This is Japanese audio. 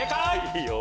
いいよ。